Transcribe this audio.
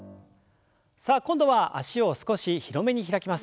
さあ今度は脚を少し広めに開きます。